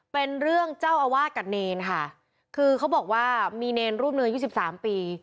เป็นเรื่องเจ้าอาวาสกับเนรค่ะคือเขาบอกว่ามีเนรรูปหนึ่งอายุสิบสามปี